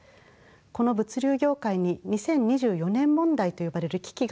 この物流業界に２０２４年問題と呼ばれる危機が迫っています。